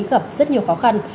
gặp rất nhiều khó khăn